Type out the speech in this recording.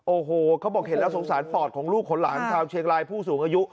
โอ้โหเขาบอกเห็นแล้วสงสารปอดของลูกของหลานชาวเชียงรายผู้สูงอายุ